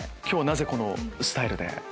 今日はなぜこのスタイルで？